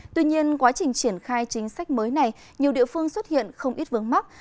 tuy nhiên quá trình triển khai chính sách mới này nhiều địa phương xuất hiện không ít vướng mắt